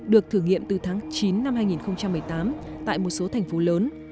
được thử nghiệm từ tháng chín năm hai nghìn một mươi tám tại một số thành phố lớn